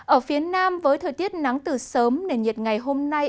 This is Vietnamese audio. ở phía nam với thời tiết nắng từ sớm nền nhiệt ngày hôm nay